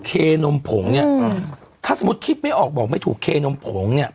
เคนมผงเนี่ยถ้าสมมุติคิดไม่ออกบอกไม่ถูกเคนมผงเนี่ย